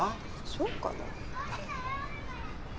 そうかな？